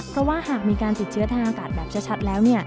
เพราะว่าหากมีการติดเชื้อทางอากาศแบบชัดแล้ว